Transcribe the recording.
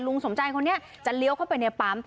สมใจคนนี้จะเลี้ยวเข้าไปในปั๊ม